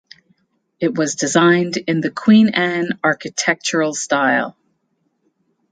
It was designed in the Queen Anne architectural style.